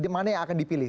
mana yang akan dipilih